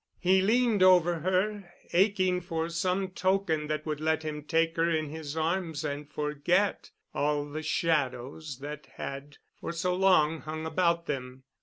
He leaned over her, aching for some token that would let him take her in his arms and forget all the shadows that had for so long hung about them.